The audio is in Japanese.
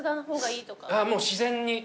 もう自然に。